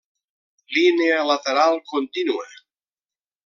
Línia lateral contínua.